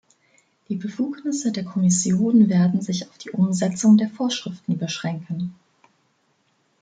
Die Befugnisse der Kommission werden sich auf die Umsetzung der Vorschriften beschränken.